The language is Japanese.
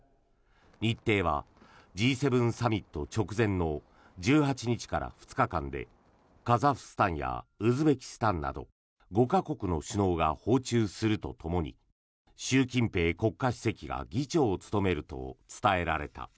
日程は、Ｇ７サミット直前の１８日から２日間でカザフスタンやウズベキスタンなど５か国の首脳が訪中するとともに習近平国家主席が議長を務めると伝えられた。